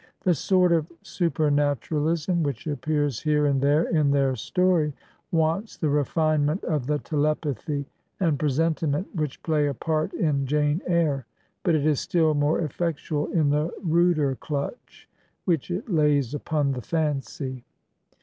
The sort of supematuralism which appears here and there in their story wants the refinement of the telepathy and presentiment which play a part in Jane Eyre, but it is still more effectual in the ruder clutch which it lays upon the fancy.